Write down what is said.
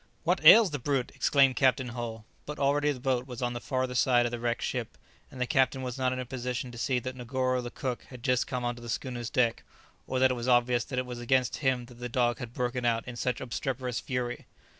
"What ails the brute?" exclaimed Captain Hull. But already the boat was on the farther side of the wrecked ship, and the captain was not in a position to see that Negoro the cook had just come on to the schooner's deck, or that it was obvious that it was against him that the dog had broken out in such obstreperous fury.